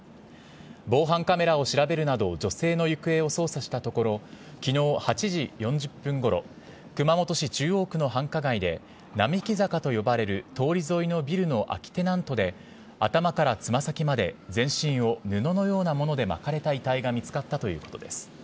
防犯カメラを調べるなど、女性の行方を捜査したところ、きのう８時４０分ごろ、熊本市中央区の繁華街で、並木坂と呼ばれる通り沿いのビルの空きテナントで、頭からつま先まで全身を布のようなもので巻かれた遺体が見つかったということです。